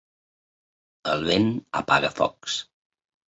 El vent apaga focs.